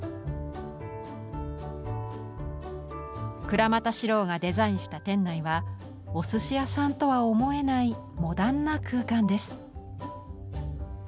倉俣史朗がデザインした店内はお寿司屋さんとは思えないモダンな空間です。